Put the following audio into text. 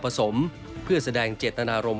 สมเพื่อแสดงเจตนารมณ